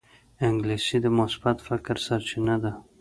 انګلیسي د مثبت فکر سرچینه ده